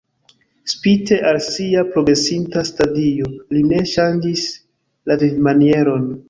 Spite al sia progresinta stadio li ne ŝanĝis la vivmanieron.